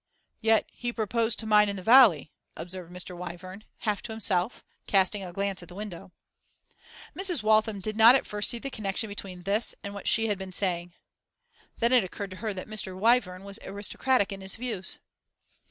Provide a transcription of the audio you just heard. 'Yet he proposed to mine in the valley,' observed Mr. Wyvern, half to himself, casting a glance at the window. Mrs. Waltham did not at first see the connection between this and what she had been saying. Then it occurred to her that Mr. Wyvern was aristocratic in his views.